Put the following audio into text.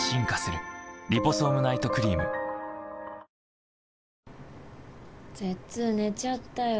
へぇ絶弐寝ちゃったよ。